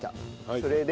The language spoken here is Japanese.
それで？